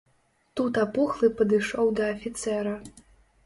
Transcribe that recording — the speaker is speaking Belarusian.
Тут апухлы падышоў да афіцэра.